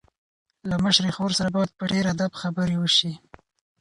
له مشرې خور سره باید په ډېر ادب خبرې وشي.